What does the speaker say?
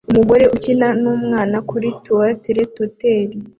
Umugore ukina numwana kuri teeter-totter